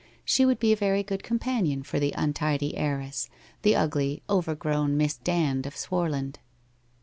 She would be a very good companion for the untidy heiress, the ugly, overgrown Miss Dand of Swarland.